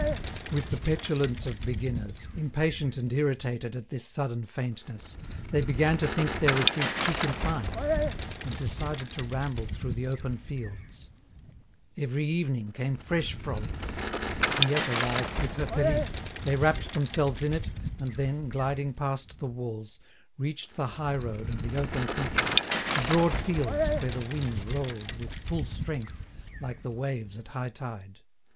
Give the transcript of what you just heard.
With the petulance of beginners, impatient and irritated at this sudden faintness, they began to think their retreat too confined, and decided to ramble through the open fields. Every evening came fresh frolics. Miette arrived with her pelisse; they wrapped themselves in it, and then, gliding past the walls, reached the high road and the open country, the broad fields where the wind rolled with full strength, like the waves at high tide.